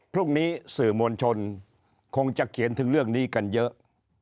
พรุ่งนี้สื่อมวลชนคงจะเขียนถึงเรื่องนี้กันเยอะ